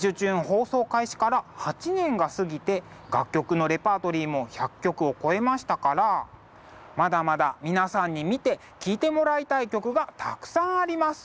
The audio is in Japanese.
放送開始から８年が過ぎて楽曲のレパートリーも１００曲を超えましたからまだまだ皆さんに見て聴いてもらいたい曲がたくさんあります。